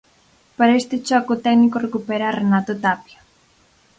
Para este choque o técnico recupera a Renato Tapia.